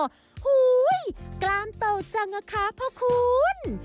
โอ้โอ๊ยกรามโตจังนะคะพ่อคุณ